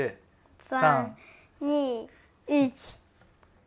３２１。